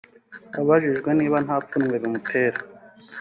Abajijwe niba nta pfunwe bimutera